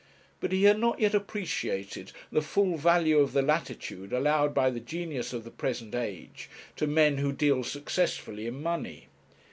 But he had not yet appreciated the full value of the latitude allowed by the genius of the present age to men who deal successfully in money.